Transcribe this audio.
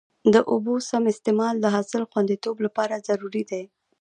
د اوبو سم استعمال د حاصل خوندیتوب لپاره ضروري دی.